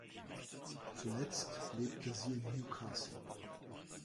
Zuletzt lebte sie in Newcastle.